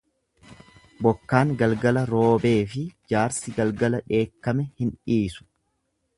Bokkaan galgala roobeefi jaarsi galgala dheekkame hin dhiisu.